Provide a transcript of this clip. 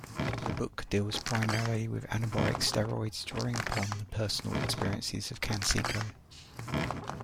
The book deals primarily with anabolic steroids, drawing upon the personal experiences of Canseco.